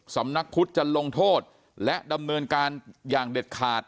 สำนักพุทธจะลงโทษและดำเนินการอย่างเด็ดขาด